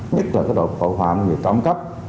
nhất là tội phạm về trọng cấp